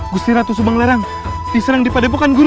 gusti ratu subang lerang diserang di padepokan guru